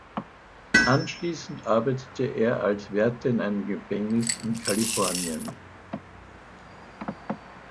Anschließend arbeitete er als Wärter in einem Gefängnis in Kalifornien.